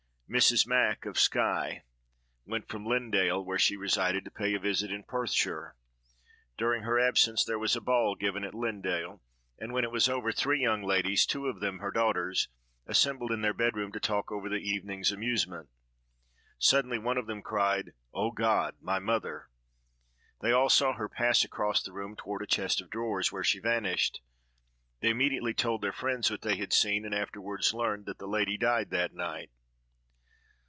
Mrs. Mac——, of Skye, went from Lynedale, where she resided, to pay a visit in Perthshire. During her absence there was a ball given at Lynedale, and when it was over, three young ladies, two of them her daughters, assembled in their bed room to talk over the evening's amusement. Suddenly, one of them cried, "O God! my mother." They all saw her pass across the room toward a chest of drawers, where she vanished. They immediately told their friends what they had seen, and afterward learned that the lady died that night.